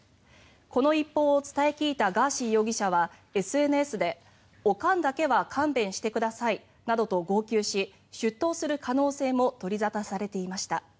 この一報を伝え聞いたガーシー容疑者は、ＳＮＳでおかんだけは勘弁してくださいなどと号泣し出頭する可能性も取り沙汰されていました。